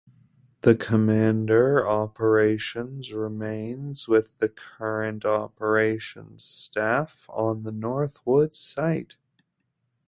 The Commander Operations remains with the current operations staff on the Northwood site.